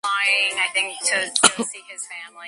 Estudió música en la Universidad de Gales, en Bangor.